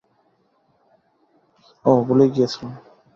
ওহ, ভুলেই গিয়েছিলাম।